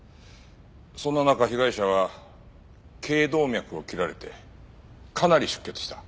そんな中被害者は頸動脈を切られてかなり出血した。